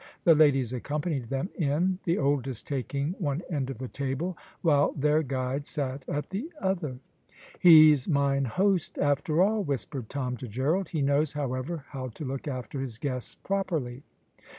The ladies accompanied them in, the oldest taking one end of the table, while their guide sat at the other. "He's mine host after all!" whispered Tom to Gerald. "He knows, however, how to look after his guests properly."